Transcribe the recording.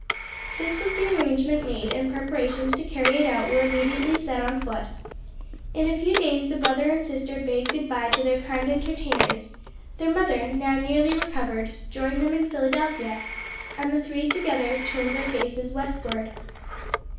This was the arrangement made and preparations to carry it out were immediately set on foot. In a few days the brother and sister bade good bye to their kind entertainers, their mother, now nearly recovered, joined them in Philadelphia, and the three together turned their faces westward.